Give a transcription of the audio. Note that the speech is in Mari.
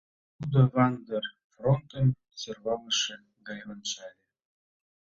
— тудо Ван дер Фронтым сӧрвалыше гай ончале.